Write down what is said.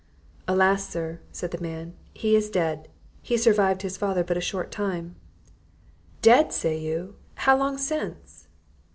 "Alas, sir," said the man, "he is dead! he survived his father but a short time." "Dead! say you? how long since?"